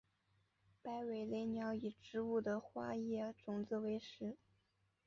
白尾雷鸟以植物的花叶种子为食。